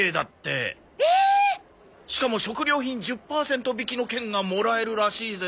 しかも食料品１０パーセント引きの券がもらえるらしいぜ。